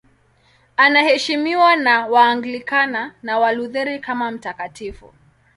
Anaheshimiwa na Waanglikana na Walutheri kama mtakatifu.